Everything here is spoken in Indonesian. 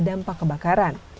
bisa kena dampak kebakaran